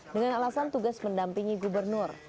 dengan alasan tugas mendampingi gubernur